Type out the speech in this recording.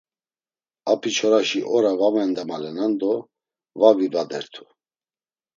Apiçoraşi ora va mendemalenan do va vibadertu.